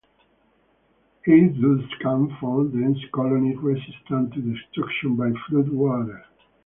It thus can form dense colonies resistant to destruction by floodwaters.